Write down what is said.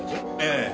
ええ。